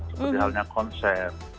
seperti halnya konser